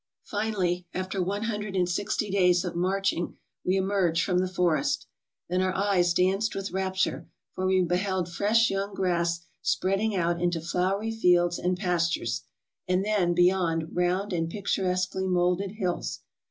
Finally, after one hundred and sixty days of marching, we emerged from the forest. Then our eyes danced with rapture, for we beheld fresh young grass spreading out into flowery fields and pastures; and then beyond round and picturesquely molded hills.